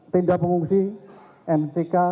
tindak pengungsi mck